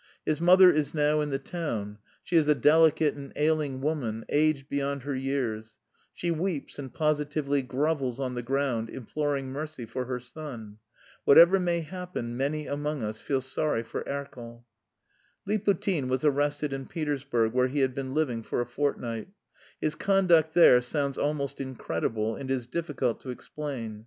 His mother is now in the town; she is a delicate and ailing woman, aged beyond her years; she weeps and positively grovels on the ground imploring mercy for her son. Whatever may happen, many among us feel sorry for Erkel. Liputin was arrested in Petersburg, where he had been living for a fortnight. His conduct there sounds almost incredible and is difficult to explain.